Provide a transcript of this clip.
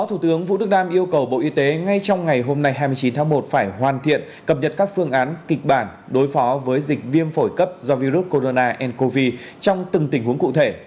thủ tướng vũ đức đam yêu cầu bộ y tế ngay trong ngày hôm nay hai mươi chín tháng một phải hoàn thiện cập nhật các phương án kịch bản đối phó với dịch viêm phổi cấp do virus corona ncov trong từng tình huống cụ thể